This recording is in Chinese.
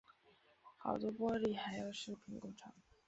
好多玻璃还有饰品工厂